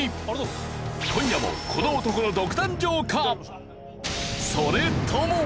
今夜もこの男の独壇場か？